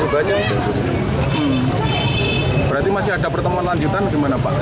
berarti masih ada pertemuan lanjutan gimana pak